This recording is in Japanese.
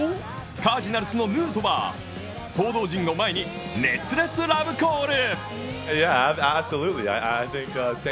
カージナルスのヌートバー報道陣を前に熱烈ラブコール！